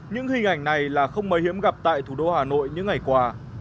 những hình ảnh này là không mới hiếm gặp tại thủ đô hà nội những ngày qua